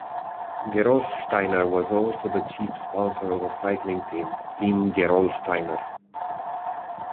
Gerolsteiner was also the chief sponsor of a cycling team, Team Gerolsteiner.